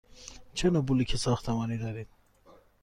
چه نوع بلوک ساختمانی دارید؟